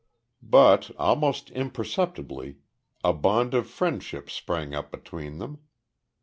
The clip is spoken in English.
But, almost imperceptibly, a bond of friendship sprang up between them.